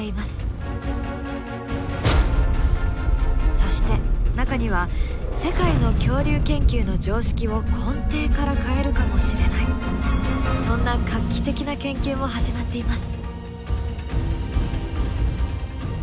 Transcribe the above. そして中には世界の恐竜研究の常識を根底から変えるかもしれないそんな画期的な研究も始まっています。